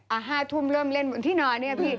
อ่าห้าทุ่มเริ่มเล่นที่นอนนี่พี่